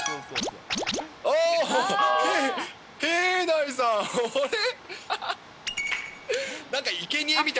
あれ？